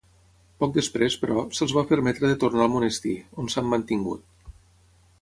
Poc després, però, se'ls va permetre de tornar al monestir, on s'han mantingut.